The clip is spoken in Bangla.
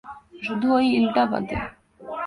শুধু ওই ইলটা বাদে।